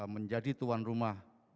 menjadi tuan rumah